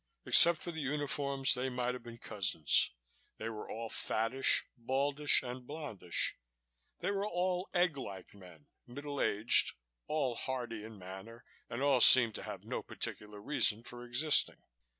Except for the uniforms, they might have been cousins they were all fattish, baldish and blondish. They were all egg like men, middle aged, all hearty in manner and all seemed to have no particular reason for existing.